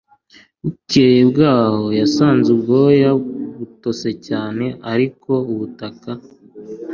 Bukeye bwaho yasanze ubwoya butose cyane ariko ubutaka